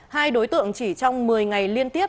hai đối tượng chỉ trong một mươi ngày liên tiếp